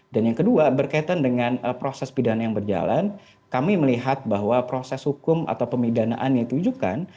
dan yang kedua berkaitan dengan proses pidana yang berjalan kami melihat bahwa proses hukum atau pemidanaan yang ditunjukkan